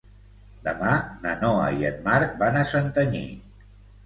Demà na Noa i en Marc van a Santanyí.